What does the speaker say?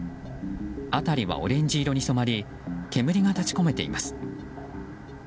辺りはオレンジ色に染まり煙が立ち込めています。